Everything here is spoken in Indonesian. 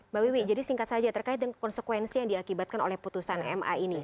mbak wiwi jadi singkat saja terkait dengan konsekuensi yang diakibatkan oleh putusan ma ini